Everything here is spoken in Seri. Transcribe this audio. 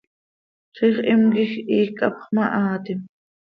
Ziix himquij hiic hapx mahaatim.